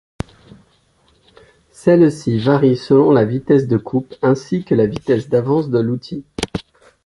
Celle-ci varie selon la vitesse de coupe ainsi que la vitesse d'avance de l'outil.